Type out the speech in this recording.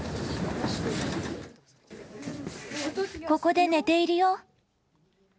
ここで寝ているよ。